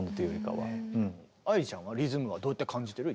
愛理ちゃんはリズムはどうやって感じてる？